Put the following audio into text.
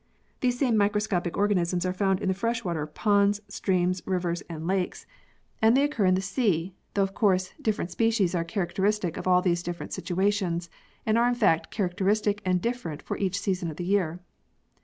These same microscopic organisms are found 111 the fresh water of ponds, streams, rivers and lakes in] THE PEARL OYSTER 33 and they occur in the sea, though of course different species are characteristic of all these different situations and are in fact characteristic and different for each season of the year.